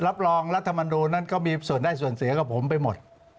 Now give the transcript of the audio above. รับรองรัฐมนูลนั้นก็มีส่วนได้ส่วนเสียกับผมไปหมด